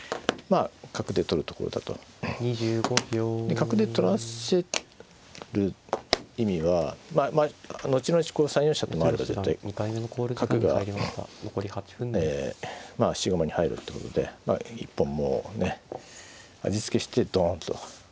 角で取らせる意味は後々こう３四飛車と回れば絶対角が質駒に入るってことで一本もうね味付けしてドンと。